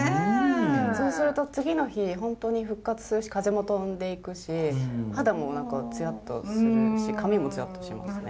そうすると次の日本当に復活するし風邪も飛んでいくし肌も何か艶っとするし髪も艶っとしますね。